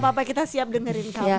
gak apa apa kita siap dengerin kamu